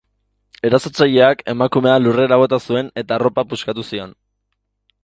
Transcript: Erasotzaileak emakumea lurrera bota zuen eta arropa puskatu zion.